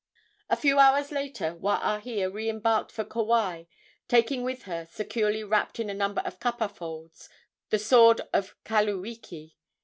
A few hours later Waahia re embarked for Kauai, taking with her, securely wrapped in a number of kapa folds, the sword of Kaluiki.